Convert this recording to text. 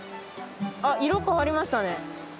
あっ色変わりましたね。